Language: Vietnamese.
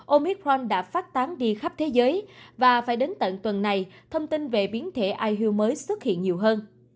omicron đã phát tán đi khắp thế giới và phải đến tận tuần này thông tin về biến thể ihu mới xuất hiện nhiều hơn